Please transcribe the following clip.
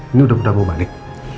ini udah mau balik